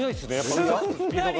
すんなり。